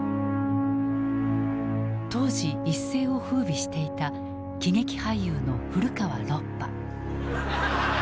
当時一世を風靡していた喜劇俳優の古川ロッパ。